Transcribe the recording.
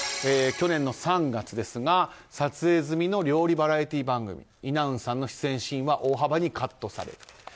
去年３月、撮影済みの料理バラエティー番組のイ・ナウンさんの出演シーンは大幅にカットされる。